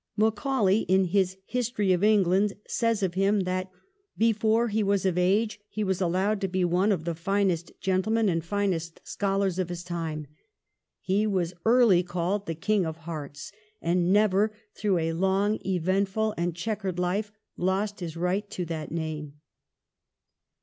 Macaulay in his ' History of England ' says of him that ' before he was of age he was allowed to be one of the finest gentlemen and finest scholars of his VOL. II. A A 354 THE KEIGN OF QUEEN ANNE. ch. xxxvin. time. He was early called the King of Hearts, and never, through a long, eventful, and chequered life, lost his right to that name.'